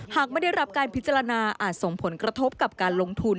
หากไม่ได้รับการพิจารณาอาจส่งผลกระทบกับการลงทุน